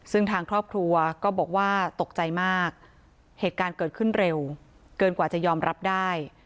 ซึ่งทางครอบครัวก็บอกว่าตกใจมากเหตุการณ์เกิดขึ้นเร็วเกินกว่าจะยอมรับได้